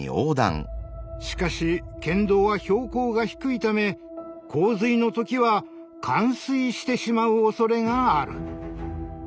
しかし県道は標高が低いため洪水の時は冠水してしまうおそれがある。